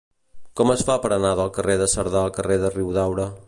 Com es fa per anar del carrer de Cerdà al carrer de Riudaura?